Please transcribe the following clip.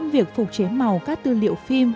việc phục chế màu các tư liệu phim